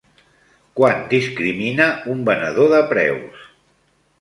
Quan discrimina un venedor de preus?